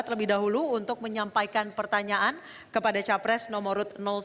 terlebih dahulu untuk menyampaikan pertanyaan kepada capres nomor satu